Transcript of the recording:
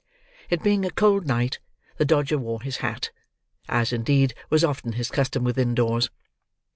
It being a cold night, the Dodger wore his hat, as, indeed, was often his custom within doors.